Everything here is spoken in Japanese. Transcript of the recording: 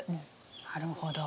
なるほど。